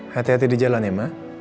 hati hati di jalan ya ma